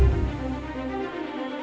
nanti kita ke rumah